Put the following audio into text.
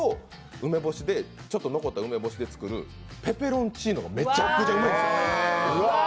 それと残った梅干しで作るペペロンチーノがめちゃくちゃうまいんですよ。